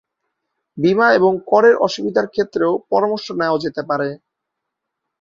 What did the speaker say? বীমা এবং করের অসুবিধার ক্ষেত্রেও পরামর্শ নেওয়া যেতে পারে।